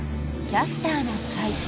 「キャスターな会」。